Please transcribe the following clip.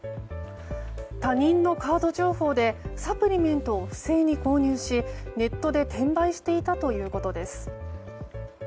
他人のカード情報でサプリメントを不正に購入しネットで転売していたということです。